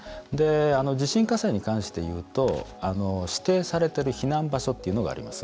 地震火災に関して言うと指定されている避難場所っていうのがあります。